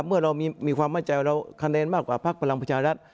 เมื่อเรามีความมั่นใจว่าเราคะแนนมากกว่าพักพลังประชารัฐ